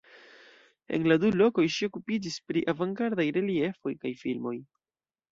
En la du lokoj ŝi okupiĝis pri avangardaj reliefoj kaj filmoj.